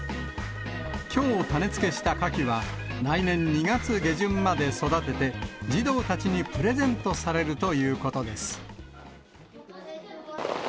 きょう種付けしたカキは、来年２月下旬まで育てて、児童たちにプレゼントされるということです。